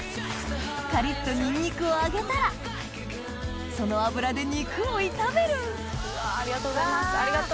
カリっとニンニクを揚げたらその油で肉を炒めるうわありがとうございますありがとう！